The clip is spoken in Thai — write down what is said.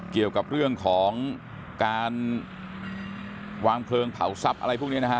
เกี่ยวกับเรื่องของการวางเพลิงเผาทรัพย์อะไรพวกนี้นะฮะ